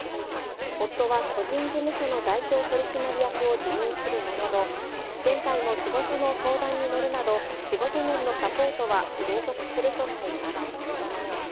夫は個人事務所の代表取締役を辞任するものの、現在も仕事の相談に乗るなど、仕事面のサポートは継続するとしています。